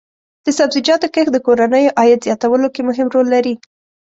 د سبزیجاتو کښت د کورنیو عاید زیاتولو کې مهم رول لري.